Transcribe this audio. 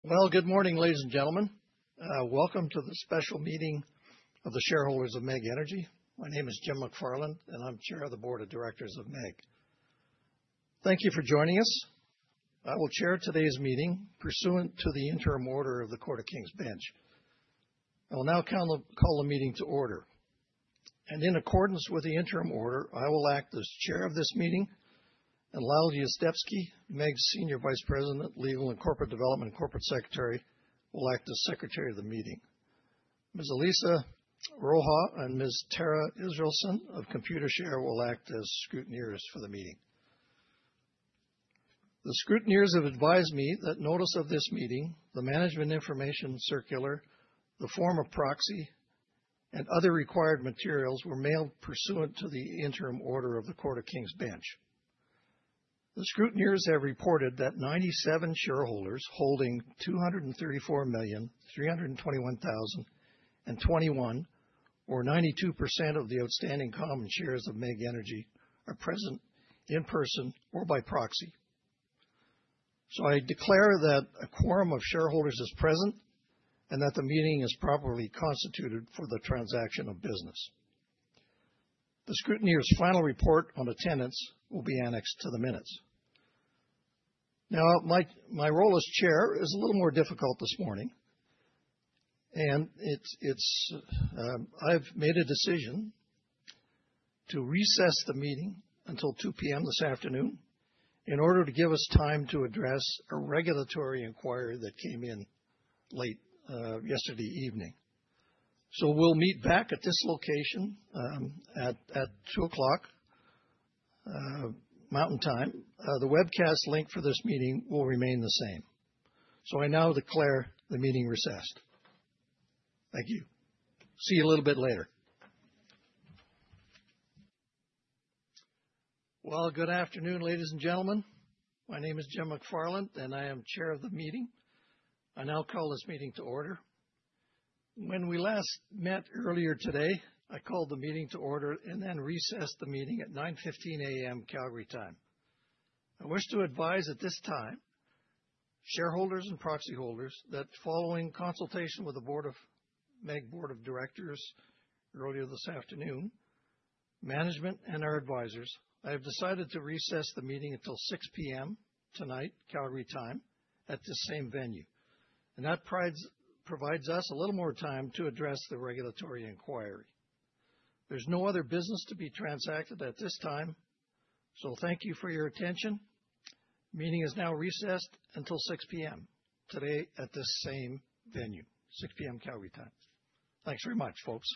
Good morning, ladies and gentlemen. Welcome to the special meeting of the shareholders of MEG Energy. My name is James McFarland, and I'm Chair of the Board of Directors of MEG. Thank you for joining us. I will chair today's meeting pursuant to the interim order of the Court of King's Bench. I will now call the meeting to order. In accordance with the interim order, I will act as Chair of this meeting, and Lyle Yuzdepski, MEG's Senior Vice President, Legal and Corporate Development, and Corporate Secretary, will act as Secretary of the meeting. Ms. Elisa Roha and Ms. Tara Israelson of Computershare will act as scrutineers for the meeting. The scrutineers have advised me that notice of this meeting, the management information circular, the form of proxy, and other required materials were mailed pursuant to the interim order of the Court of King's Bench. The scrutineers have reported that 97 shareholders holding 234,321,021, or 92% of the outstanding common shares of MEG Energy are present in person or by proxy. So I declare that a quorum of shareholders is present and that the meeting is properly constituted for the transaction of business. The scrutineers' final report on attendance will be annexed to the minutes. Now, my role as chair is a little more difficult this morning, and I've made a decision to recess the meeting until 2:00 P.M. this afternoon in order to give us time to address a regulatory inquiry that came in late yesterday evening. So we'll meet back at this location at 2:00 o'clock Mountain Time. The webcast link for this meeting will remain the same. So I now declare the meeting recessed. Thank you. See you a little bit later. Well, good afternoon, ladies and gentlemen. My name is James McFarland, and I am Chair of the meeting. I now call this meeting to order. When we last met earlier today, I called the meeting to order and then recessed the meeting at 9:15 A.M. Calgary time. I wish to advise at this time, shareholders and proxy holders, that following consultation with the MEG board of directors earlier this afternoon, management, and our advisors, I have decided to recess the meeting until 6:00 P.M. tonight, Calgary time, at this same venue. And that provides us a little more time to address the regulatory inquiry. There's no other business to be transacted at this time, so thank you for your attention. The meeting is now recessed until 6:00 P.M. today at this same venue, 6:00 P.M. Calgary time. Thanks very much, folks.